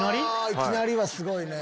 いきなりはすごいね！